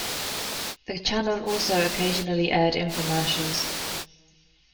The channel also occasionally aired informercials.